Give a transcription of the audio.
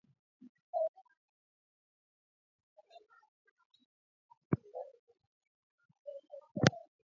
Ilikuwa nyumba ya chumba na sebule